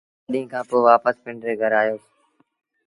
ٻآ ڏيٚݩهݩ کآݩ پو وآپس پنڊري گھر آيوس۔